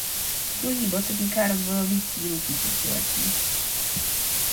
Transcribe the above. Druhý bod se týká rozvojových cílů tisíciletí.